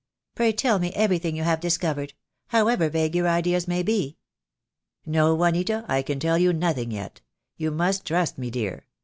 Pray tell me everything you have discovered — however vague your ideas may be." "No, Juanita, I can tell you nothing yet. You must trust me, dear.